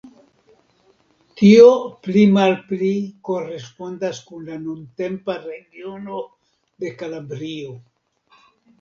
Tio pli malpli korespondas kun la nuntempa regiono de Kalabrio.